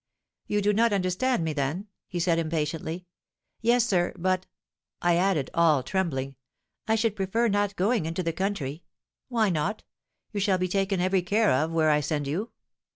'You do not understand me, then?' he said, impatiently. 'Yes, sir, but,' I added, all trembling, 'I should prefer not going into the country.' 'Why not? You will be taken every care of where I send you.'